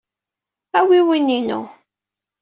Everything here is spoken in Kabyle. Awi win-inu.